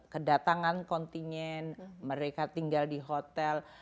kedatangan kontingen mereka tinggal di hotel